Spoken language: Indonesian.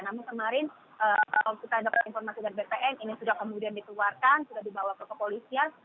namun kemarin kalau kita dapat informasi dari bpn ini sudah kemudian dikeluarkan sudah dibawa ke kepolisian